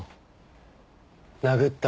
殴った